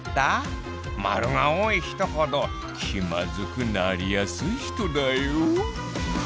○が多い人ほど気まずくなりやすい人だよ。